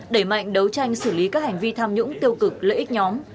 đẩy mạnh đấu tranh xử lý các hành vi tham nhũng tiêu cực lợi ích nhóm